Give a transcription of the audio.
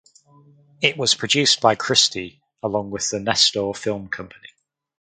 It was produced by Christie along with the Nestor Film Company.